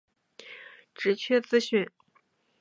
职缺资讯